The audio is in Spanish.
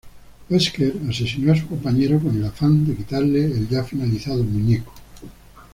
Wesker asesinó a su compañero con el afán de quitarle el ya finalizado muñeco.